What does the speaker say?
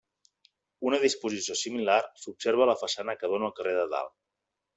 Una disposició similar s'observa a la façana que dóna al carrer de Dalt.